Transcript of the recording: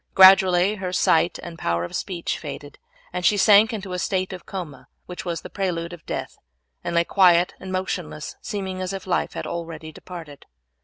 Gradually her sight and power of speech faded, and she sank into the state of coma which was the prelude of death, and lay quiet and motionless, seeming as if life had already departed.